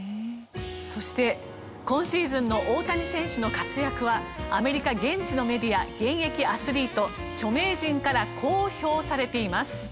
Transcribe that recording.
そして今シーズンの大谷選手の活躍はアメリカ現地のメディア現役アスリート著名人からこう評されています。